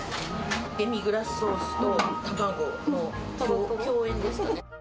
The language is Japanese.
デミグラスソースと卵の饗宴ですかね。